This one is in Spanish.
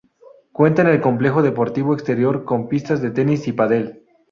Cuenta en el complejo deportivo exterior con pistas de tenis y pádel.